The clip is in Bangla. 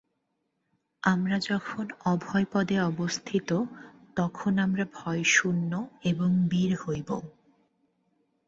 আমরা যখন অভয়পদে অবস্থিত, তখন আমরা ভয়শূন্য এবং বীর হইব।